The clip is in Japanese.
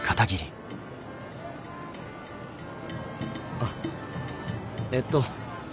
あっえっと